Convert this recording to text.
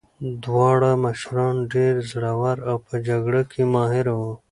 دواړه مشران ډېر زړور او په جګړه کې ماهر وو.